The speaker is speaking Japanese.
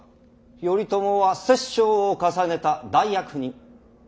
頼朝は殺生を重ねた大悪人。